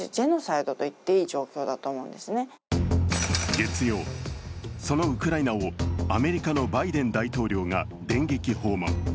月曜、そのウクライナをアメリカのバイデン大統領が電撃訪問。